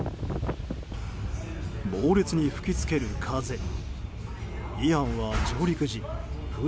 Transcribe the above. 猛烈に吹き付ける風。